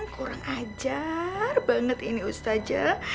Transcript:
kurang ajar banget ini ustaja